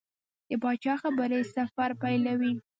د پاچا خبرې سفر پیلوي.